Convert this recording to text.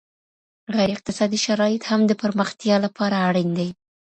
غير اقتصادي شرايط هم د پرمختيا لپاره اړين دي.